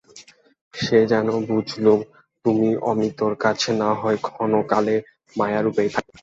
সে যেন বুঝলুম, তুমি অমিতর কাছে নাহয় ক্ষণকালের মায়া-রূপেই থাকবে।